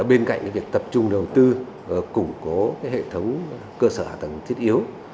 bên cạnh việc tập trung đầu tư củng cố hệ thống cơ sở hạ tầng thiết yếu